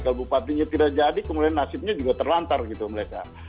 kalau bupatinya tidak jadi kemudian nasibnya juga terlantar gitu mereka